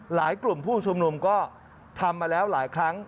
กลุ่มผู้ชุมนุมก็ทำมาแล้วหลายครั้ง